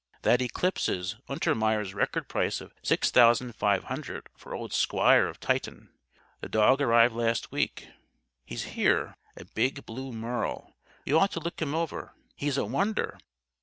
That eclipses Untermeyer's record price of $6500 for old Squire of Tytton. The dog arrived last week. He's here. A big Blue Merle. You ought to look him over. He's a wonder.